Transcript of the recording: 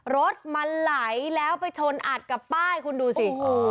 รถมันไหลแล้วไปชนอัดกับป้ายคุณดูสิ